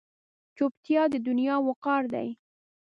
چوپتیا، د دنیا وقار دی.